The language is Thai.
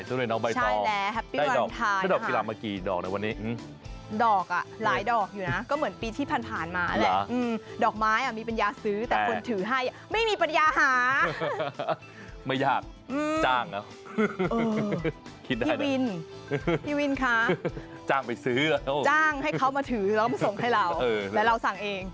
จ้างไปซื้อจ้างให้เขามาถือแล้วมาส่งให้เราแล้วเราสั่งเอง